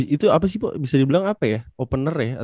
itu apa sih pak bisa dibilang apa ya opener ya